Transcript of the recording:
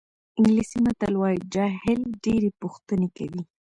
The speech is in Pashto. انګلیسي متل وایي جاهل ډېرې پوښتنې کوي.